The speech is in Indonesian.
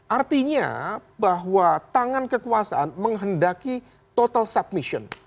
artinya bahwa tangan kekuasaan menghendaki total submission